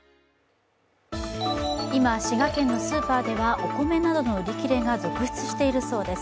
今、滋賀県のスーパーではお米などの売り切れが続出しているそうです。